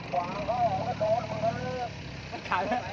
ขวางเข้าออกมาตรง